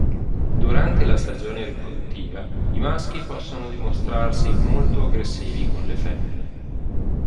Durante la stagione riproduttiva i maschi possono dimostrarsi molto aggressivi con le femmine.